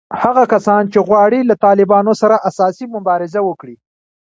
هغه کسان چې غواړي له طالبانو سره اساسي مبارزه وکړي